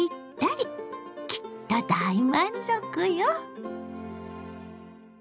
きっと大満足よ。